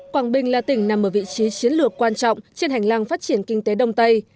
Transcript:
quảng bình là tỉnh nằm ở vị trí chiến lược quan trọng trên hành lang phát triển kinh tế đông tây